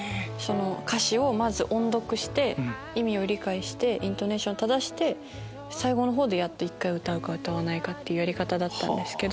歌詞をまず音読して意味を理解してイントネーション正して最後のほうで歌うか歌わないかっていうやり方だったんです。